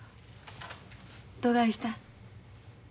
どがいしたん？